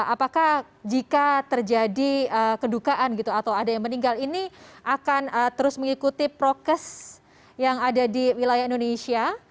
apakah jika terjadi kedukaan gitu atau ada yang meninggal ini akan terus mengikuti prokes yang ada di wilayah indonesia